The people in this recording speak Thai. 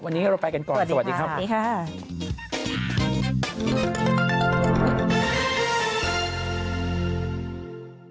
วันนี้เราไปกันก่อนสวัสดีครับ